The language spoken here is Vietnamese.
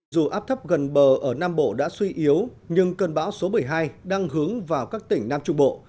dù áp thấp gần bờ ở nam bộ đã suy yếu nhưng cơn bão số một mươi hai đang hướng vào các tỉnh nam trung bộ